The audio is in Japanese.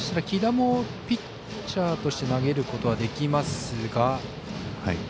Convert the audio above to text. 来田もピッチャーとして投げることはできますが。